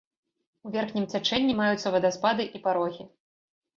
У верхнім цячэнні маюцца вадаспады і парогі.